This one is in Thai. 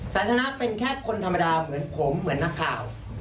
สันทนาเป็นแค่คนธรรมดาเหมือนผมเหมือนนักข่าว